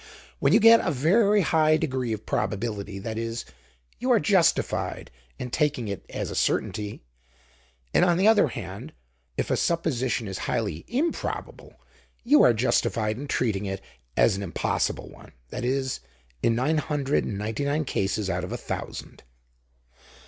When you get a very high degree of probability, that is, you are justified in taking it as a certainty; and on the other hand, if a supposition is highly improbable, you are justified in treating it as an impossible one. That is, in nine hundred and ninety nine cases out of a thousand."